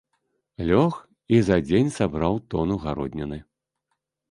Лёг і за дзень сабраў тону гародніны!